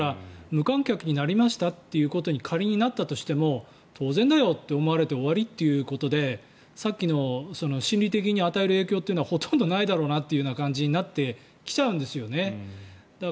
だから無観客になりましたということに仮になったとしても当然だよって思われて終わりということでさっきの心理的に与える影響はほとんどないだろうなという感じになってきちゃうんですよね。